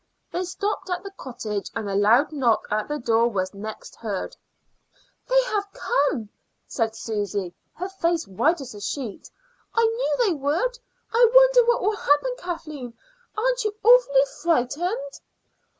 They stopped at the cottage, and a loud knock at the door was next heard. "They have come," said Susy, her face white as a sheet. "I knew they would. I wonder what will happen, Kathleen. Aren't you awfully frightened?"